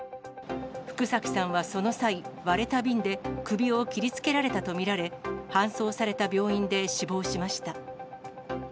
福崎さんはその際、割れた瓶で首を切りつけられたと見られ、搬送された病院で死亡しました。